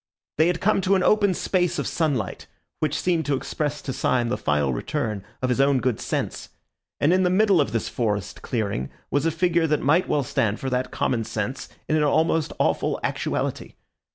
They had come to an open space of sunlight, which seemed to express to Syme the final return of his own good sense; and in the middle of this forest clearing was a figure that might well stand for that common sense in an almost awful actuality.